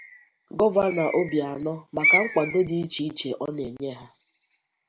Gọvanọ Obianọ maka nkwàdo dị iche iche ọ na-enye ha